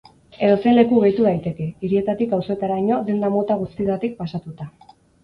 Edozein leku gehitu daiteke, hirietatik auzoetaraino, denda mota guztietatik pasatuta.